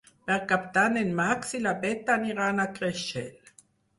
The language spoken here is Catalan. Per Cap d'Any en Max i na Bet aniran a Creixell.